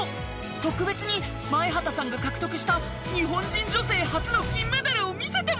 特別に前畑さんが獲得した日本人女性初の金メダルを見せてもらいました！